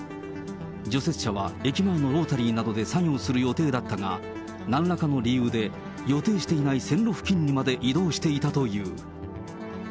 除雪車は駅前のロータリーなどで作業する予定だったが、なんらかの理由で予定していない線路付近にまで移動していたという。